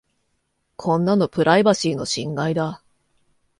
こんなのプライバシーの侵害だ。